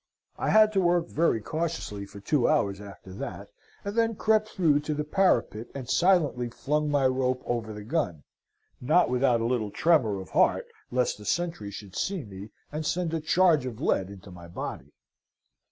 I had to work very cautiously for two hours after that, and then crept through to the parapet and silently flung my rope over the gun; not without a little tremor of heart, lest the sentry should see me and send a charge of lead into my body.